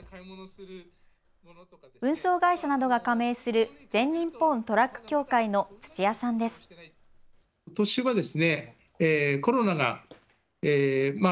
運送会社などが加盟する全日本トラック協会の土屋さんです。